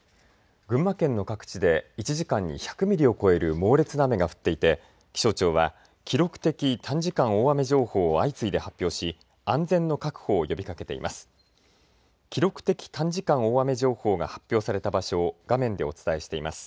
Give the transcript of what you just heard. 群馬県の各地で１時間に１００ミリを超える猛烈な雨が降っていて気象庁は記録的短時間大雨情報を相次いで発表し安全の確保を呼びかけています。